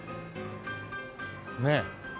ねえ。